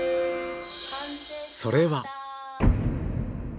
それは。